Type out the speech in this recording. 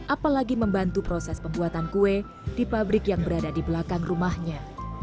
apalagi membantu proses pembuatan kue di pabrik yang berada di belakang rumahnya